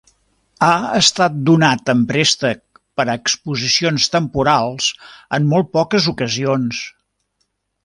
Ha estat donat en préstec per a exposicions temporals en molt poques ocasions.